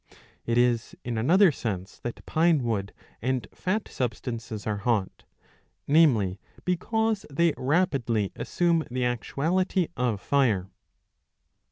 It is in another sense that pinewood and fat substances are hot ; namely, because they rapidly assume the actuality of fire.